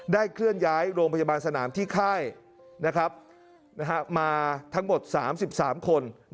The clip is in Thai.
เคลื่อนย้ายโรงพยาบาลสนามที่ค่ายมาทั้งหมด๓๓คน